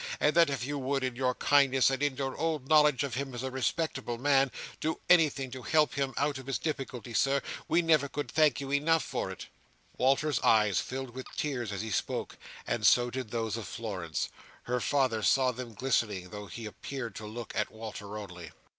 And that if you would, in your kindness, and in your old knowledge of him as a respectable man, do anything to help him out of his difficulty, Sir, we never could thank you enough for it." Walter's eyes filled with tears as he spoke; and so did those of Florence. Her father saw them glistening, though he appeared to look at Walter only.